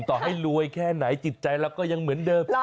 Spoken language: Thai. ต่อให้รวยแค่ไหนจิตใจเราก็ยังเหมือนเดิม